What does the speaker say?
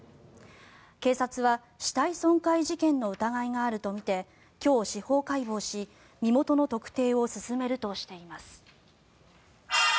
警察は死体損壊事件の疑いがあるとみて今日、司法解剖し身元の特定を進めるとしています。